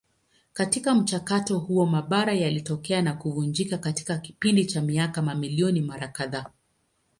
Katika mchakato huo mabara yalitokea na kuvunjika katika kipindi cha miaka mamilioni mara kadhaa.